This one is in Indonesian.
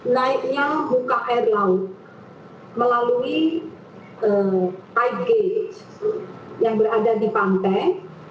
naiknya buka air laut melalui pipe gauge yang berada di pantai